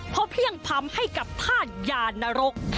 เพราะเพียงพร้ำให้กับภาคยานรก